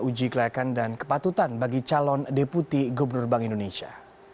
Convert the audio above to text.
uji kelayakan dan kepatutan bagi calon deputi gubernur bank indonesia